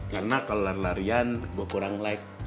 karena kalo lari larian gue kurang like